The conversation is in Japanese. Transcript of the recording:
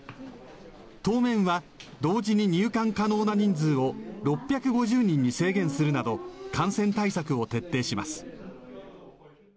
当面は、同時に入館可能な人数を６５０人に制限するなど感染対策を徹底します。